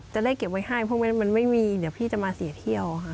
จะได้เก็บไว้ให้เพราะมันไม่มีเดี๋ยวพี่จะมาเสียเที่ยวค่ะ